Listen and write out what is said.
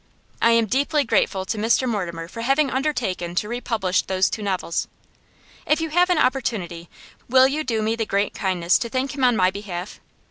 I am deeply grateful to Mr Mortimer for having undertaken to republish those two novels; if you have an opportunity, will you do me the great kindness to thank him on my behalf?